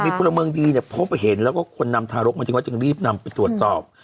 มีพลเมืองดีเนี่ยพบเห็นแล้วก็คนนำทารกมาทิ้งไว้จึงรีบนำไปตรวจสอบ